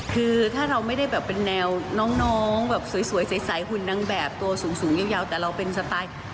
คือถ้าเราไม่ได้แบบเป็นแนวน้องแบบสวยใสหุ่นนางแบบตัวสูงยาวแต่เราเป็นสไตล์